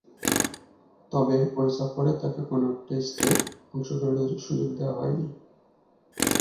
তবে, ঐ সফরে তাকে কোন টেস্টে অংশগ্রহণের সুযোগ দেয়া হয়নি।